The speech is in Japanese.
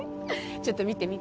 ちょっと見て見て。